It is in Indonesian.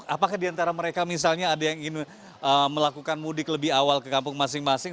apakah di antara mereka misalnya ada yang ingin melakukan mudik lebih awal ke kampung masing masing